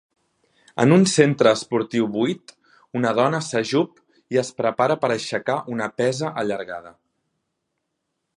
En un centre esportiu buit, una dona s'ajup i es prepara per aixecar una pesa allargada